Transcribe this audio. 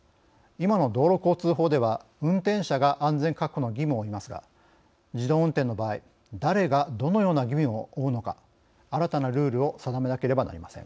今の道路交通法では運転者が安全確保の義務を負いますが自動運転の場合誰がどのような義務を負うのか新たなルールを定めなければなりません。